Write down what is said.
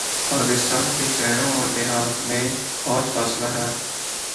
پاکستان کے شہروں اوردیہات میں بہت فاصلہ ہے۔